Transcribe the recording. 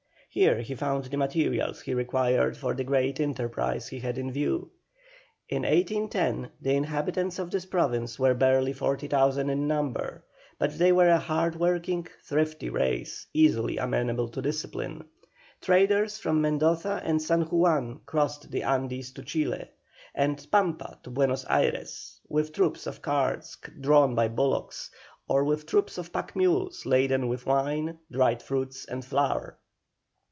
Here he found the materials he required for the great enterprise he had in view. In 1810 the inhabitants of this province were barely 40,000 in number, but they were a hard working, thrifty race, easily amenable to discipline. Traders from Mendoza and San Juan crossed the Andes to Chile, and the Pampa to Buenos Ayres, with troops of carts drawn by bullocks, or with troops of pack mules, laden with wine, dried fruits, and flour.